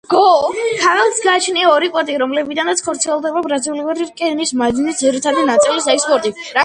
ქალაქს გააჩნია ორი პორტი, რომლებიდანაც ხორციელდება ბრაზილიური რკინის მადნის ძირითადი ნაწილის ექსპორტი.